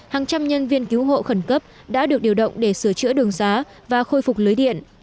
hàng trăm nhân viên cứu hộ khẩn cấp đã được điều động để sửa chữa đường xá và khôi phục lưới điện